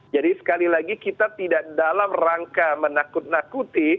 jadi sekali lagi kita tidak dalam rangka menakuti